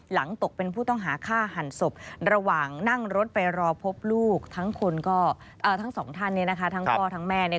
ตกเป็นผู้ต้องหาฆ่าหันศพระหว่างนั่งรถไปรอพบลูกทั้งสองท่านทั้งพ่อทั้งแม่